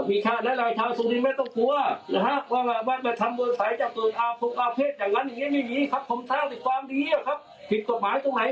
ผิดตัวหมายตรงไหนครับ